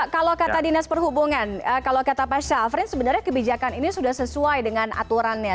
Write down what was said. kalau kata dinas perhubungan kalau kata pak syafrin sebenarnya kebijakan ini sudah sesuai dengan aturannya